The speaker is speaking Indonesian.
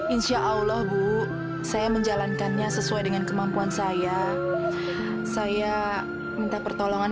insya allah bu saya menjalankannya sesuai dengan kemampuan saya saya minta pertolongan